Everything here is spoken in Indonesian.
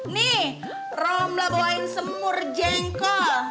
nih rambla bawain semur jengkok